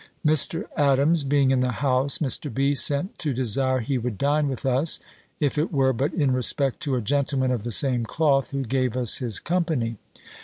Mr. Adams being in the house, Mr. B. sent to desire he would dine with us: if it were but in respect to a gentleman of the same cloth, who gave us his company.